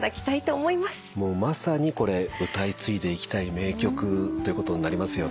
まさにこれ歌い継いでいきたい名曲ということになりますよね。